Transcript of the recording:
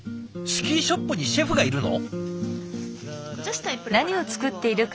スキーショップにシェフがいるの？